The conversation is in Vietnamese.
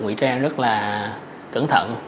nguy trang rất là cẩn thận